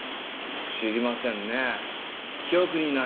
知りませんねぇ記憶にない。